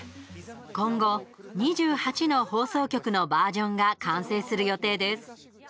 今後、２８の放送局のバージョンが完成する予定です。